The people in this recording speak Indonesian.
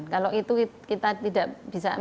kalau itu kita tidak bisa